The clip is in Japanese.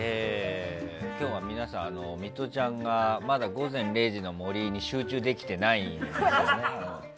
今日は皆さん、ミトちゃんがまだ「午前０時の森」に集中できていないんですよね。